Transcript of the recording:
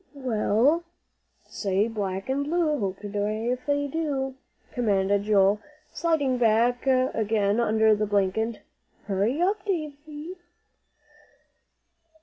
"Well, say 'black and blue hope to die if I do,'" commanded Joel, sliding back again under the blanket. "Hurry up, Dave."